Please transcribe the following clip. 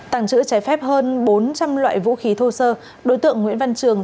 tẳng chữ trái phép hơn bốn trăm linh loại vũ khí thô sơ đối tượng nguyễn văn trường